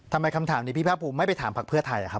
ทำไมคำถามนี้พี่พระภูมิไม่ไปถามภักดิ์เพื้อไทยอะครับ